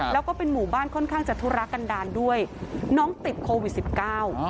แล้วก็เป็นหมู่บ้านค่อนข้างจะธุระกันดาลด้วยน้องติดโควิดสิบเก้า